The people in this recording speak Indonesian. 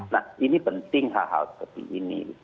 nah ini penting hal hal seperti ini